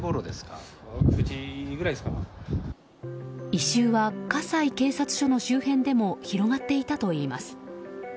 異臭は葛西警察署の周辺でも広がっていたといいます。